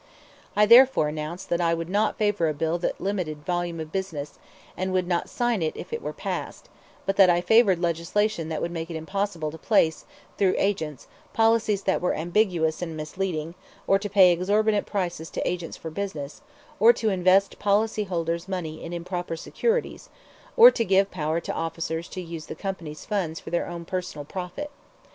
I therefore announced that I would not favor a bill that limited volume of business, and would not sign it if it were passed; but that I favored legislation that would make it impossible to place, through agents, policies that were ambiguous and misleading, or to pay exorbitant prices to agents for business, or to invest policy holders' money in improper securities, or to give power to officers to use the company's funds for their own personal profit.